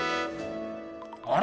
あれ？